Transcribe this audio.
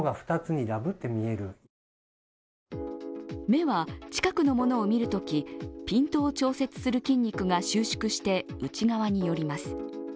目は、近くのものを見るときピントを調節する筋肉が収縮して内側に寄ります。